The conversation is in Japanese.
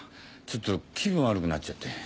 ちょっと気分悪くなっちゃって。